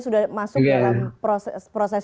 sudah masuk dalam proses